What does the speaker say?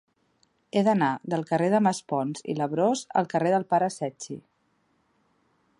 He d'anar del carrer de Maspons i Labrós al carrer del Pare Secchi.